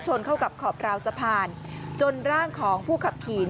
เข้ากับขอบราวสะพานจนร่างของผู้ขับขี่